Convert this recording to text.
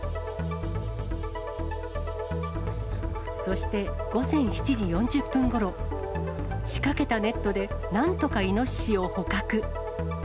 そして午前７時４０分ごろ、仕掛けたネットでなんとかイノシシを捕獲。